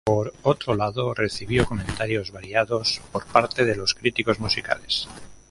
Por otro lado, recibió comentarios variados por parte de los críticos musicales.